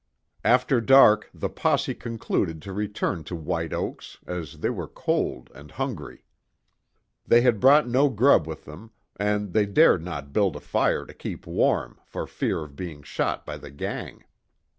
After dark the posse concluded to return to White Oaks, as they were cold and hungry. They had brought no grub with them, and they dared not build a fire to keep warm, for fear of being shot by the gang.